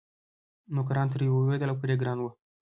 نوکران ترې وېرېدل او پرې ګران وو.